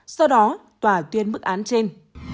sau đó tòa tuyên mức án trên